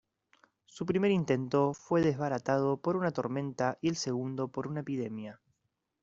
Su primer intento fue desbaratado por una tormenta y el segundo por una epidemia.